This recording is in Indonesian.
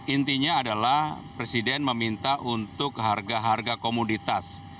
intinya adalah presiden meminta untuk harga harga komoditas